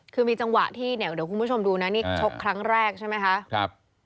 คือมีจังหวะที่เนี่ยเดี๋ยวคุณผู้ชมดูนะนี่ชกครั้งแรกใช่ไหมคะครับ